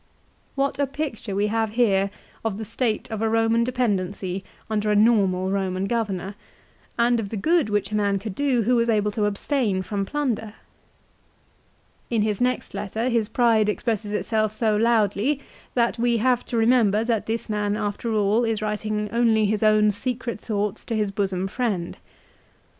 What a picture we have here of the state of a Roman dependency under a normal Eoman governor, and of the good which a man could do who was able to abstain from plunder ! In his next letter his pride expresses itself so loudly that we have to remember that this man after all is writing only his own secret thoughts to his bosom friend.